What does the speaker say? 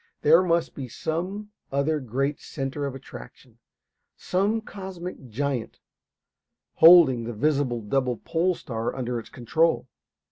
There must be some other great centre of attraction, some cosmic giant, holding the visible double pole star under its control.